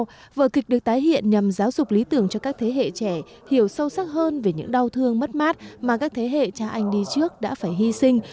sau đó vở kịch được tái hiện nhằm giáo dục lý tưởng cho các thế hệ trẻ hiểu sâu sắc hơn về những đau thương mất mát mà các thế hệ cha anh đi trước đã phải hy sinh